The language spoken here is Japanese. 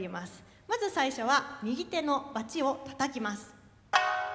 まず最初は右手のバチをたたきます。